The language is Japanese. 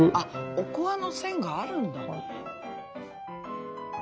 おこわの線があるんだ。